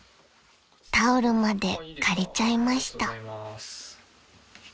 ［タオルまで借りちゃいました］